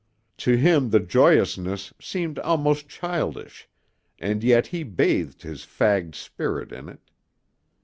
To him the joyousness seemed almost childish and yet he bathed his fagged spirit in it.